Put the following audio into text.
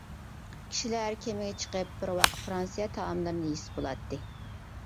كىشىلەر كېمىگە چىقىپ بىر ۋاق فىرانسىيە تائاملىرىنى يېسە بولاتتى.